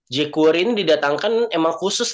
jack quarry ini didatangkan emang khusus